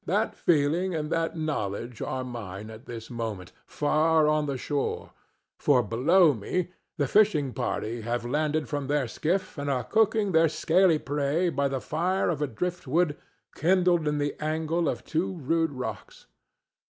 That feeling and that knowledge are mine at this moment, for on the shore, far below me, the fishing party have landed from their skiff and are cooking their scaly prey by a fire of driftwood kindled in the angle of two rude rocks.